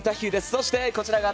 そして、こちらが。